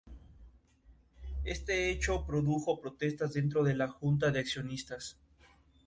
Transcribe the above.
La noche siguiente en "Raw", Reigns derrotó a Sheamus recuperando el título.